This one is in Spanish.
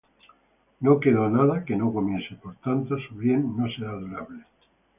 No quedó nada que no comiese: Por tanto su bien no será durable.